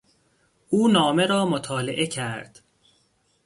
او نامه را مطالعه کرد.